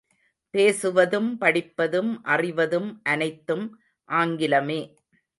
பேசுவதும் படிப்பதும் அறிவதும் அனைத்தும் ஆங்கிலமே.